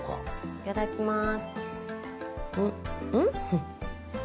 いただきます。